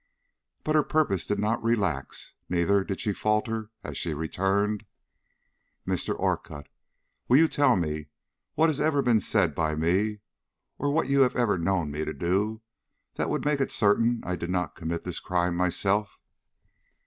But her purpose did not relax, neither did she falter as she returned: "Mr. Orcutt, will you tell me what has ever been said by me or what you have ever known me to do that would make it certain I did not commit this crime myself?"